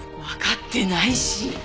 わかってないし。